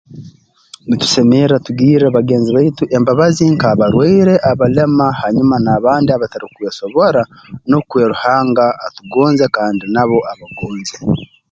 Ntusemerra tugirre bagenzi baitu embabazi nk'abarwaire abalema hanyuma n'abandi abatarukwesobora nukwo Ruhanga atugonze kandi nabo abagonze